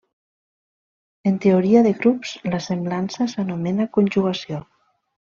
En teoria de grups, la semblança s'anomena conjugació.